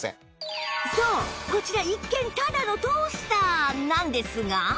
そうこちら一見ただのトースターなんですが